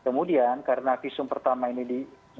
ya kemudian karena visum pertama ini di katakanlah ibunya kurang yakni